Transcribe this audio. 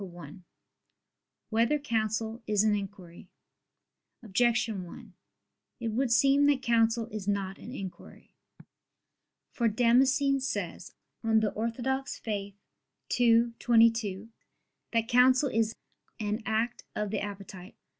1] Whether Counsel Is an Inquiry? Objection 1: It would seem that counsel is not an inquiry. For Damascene says (De Fide Orth. ii, 22) that counsel is "an act of the appetite."